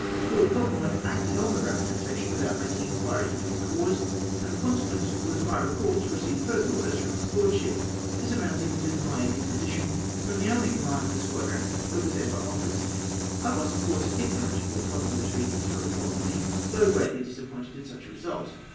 '' Lord CoUingwood acted on the representation without making inquiry into its cause, and the conse quence was my recall to receive further orders from his Lordship, this amounting to my dej^osition froni the only command of a squadron that was ever offered to me. I was, of com'se, ignorant of Lord CoUingwood's reasons for recalling me, though greatly disappointed at such a result.